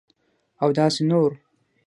اوداسي نور